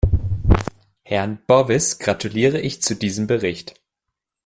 Herrn Bowis gratuliere ich zu dem Bericht.